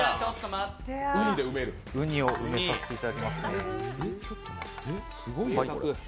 ウニを埋めさせていただきます。